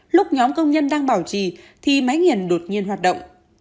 lúc nhóm công nhân đang bảo trì thì máy nghiền đột nhiên hoạt động